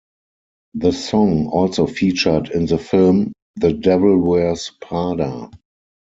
The song also featured in the film "The Devil Wears Prada".